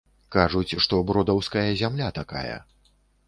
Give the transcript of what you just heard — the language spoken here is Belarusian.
Кажуць, што бродаўская зямля такая.